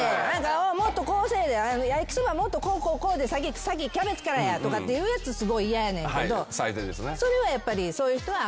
「焼きそばもっとこうこうこうで先キャベツからや」とかって言うやつすごい嫌やねんけどそれはやっぱりそういう人はあんまり？